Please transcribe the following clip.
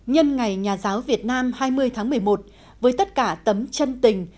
nhân ngày nhà giáo việt nam hai mươi tháng một mươi một với tất cả tấm chân tình